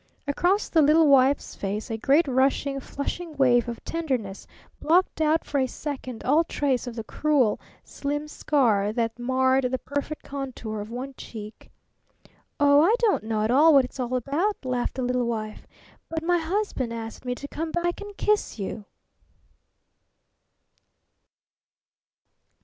Across the little wife's face a great rushing, flushing wave of tenderness blocked out for a second all trace of the cruel, slim scar that marred the perfect contour of one cheek. "Oh, I don't know at all what it's all about," laughed the little wife, "but my husband asked me to come back and kiss you!"